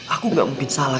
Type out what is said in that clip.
aku gak mungkin salah